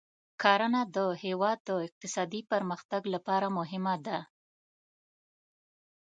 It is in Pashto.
کرنه د هېواد د اقتصادي پرمختګ لپاره مهمه ده.